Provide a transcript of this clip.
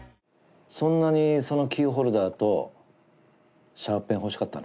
そんなにそのキーホルダーとシャーペン欲しかったの？